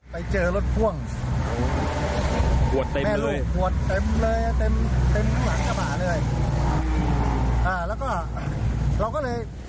ไปเจอรถพ่วงแม่ลูกหัวต้ำเลยเต็มขึ้นหลังเฉพาะเลย